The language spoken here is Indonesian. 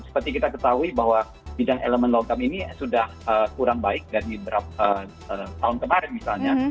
seperti kita ketahui bahwa bidang elemen logam ini sudah kurang baik dari berapa tahun kemarin misalnya